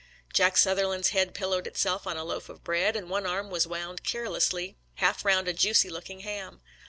Jack Sutherland's head pillowed itself on a loaf of bread, and one arm was wound caressingly half around a juicy look ing ham.